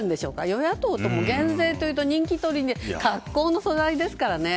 与野党とも減税というと人気取りの格好の素材ですからね。